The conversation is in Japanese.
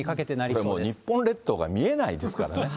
これ、日本列島が見えないですからね。